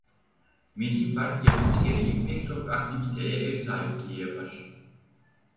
Milli park yapısı gereği pek çok aktiviteye ev sahipliği yapar.